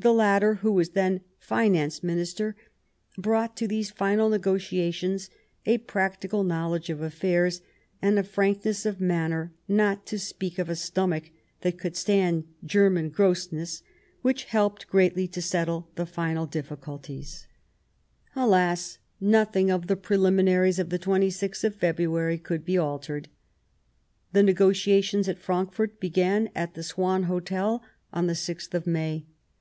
The latter, who was then Finance Minister, brought to these final negotiations a practical knowledge of affairs, and a frankness of manner, not to speak of a stomach that could stand Germanic grossness, which helped greatly to settle the final difficulties. 153 Bismarck Alas ! nothing of the Prehminaries of the 26th of February could be altered. The negotiations at Frankfort began at the Swan Hotel on the 6th of May.